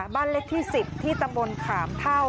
บ้านเล็กที่๑๐ที่ตำบลขามเท่า